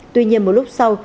tuy nhiên một lúc sau